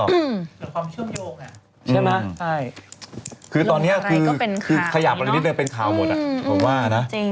หรือความเชื่อมโยกน่ะใช่ไหมคือตอนนี้คือขยับเรื่องนี้เป็นข่าวหมด